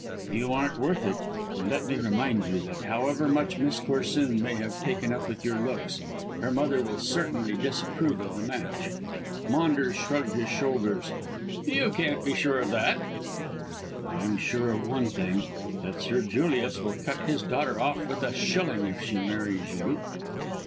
"You aren't worth it. And let me remind you that however much Miss Corsoon may be taken up with your looks, her mother will certainly disapprove of the match." Maunders shrugged his shoulders. "You can't be sure of that." "I am sure of one thing, that Sir Julius will cut his daughter off with a shilling if she marries you."